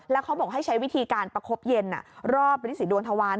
แล้วเขาบอกให้ใช้วิธีการประคบเย็นรอบฤษีดวงทวาร